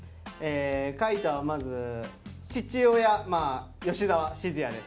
海人はまず父親吉澤閑也ですね。